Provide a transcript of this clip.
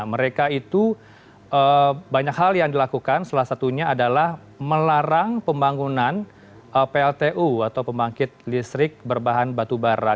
mereka itu banyak hal yang dilakukan salah satunya adalah melarang pembangunan pltu atau pembangkit listrik berbahan batubara